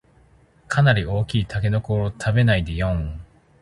かなり大きいタケノコを食べないでよん